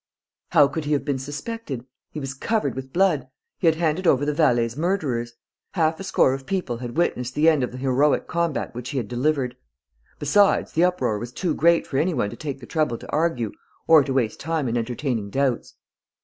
How could he have been suspected? He was covered with blood. He had handed over the valet's murderers. Half a score of people had witnessed the end of the heroic combat which he had delivered. Besides, the uproar was too great for any one to take the trouble to argue or to waste time in entertaining doubts.